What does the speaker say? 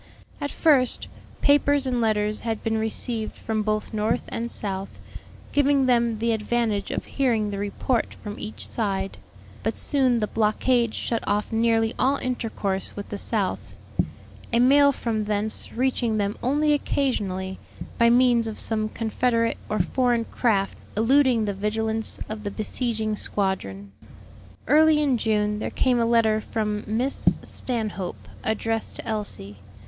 At first, papers and letters had been received from both North and South, giving them the advantage of hearing the report from each side; but soon the blockade shut off nearly all intercourse with the South, a mail from thence reaching them only occasionally, by means of some Confederate or foreign craft eluding the vigilance of the besieging squadron. Early in June there came a letter from Miss Stanhope, addressed to Elsie.